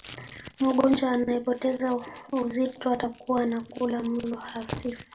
mgonjwa anayepoteza uzito atakuwa anakula mlo hafifu